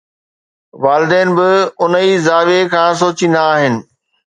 والدين به ان ئي زاويي کان سوچيندا آهن.